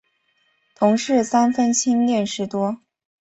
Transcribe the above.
同事三分亲恋事多。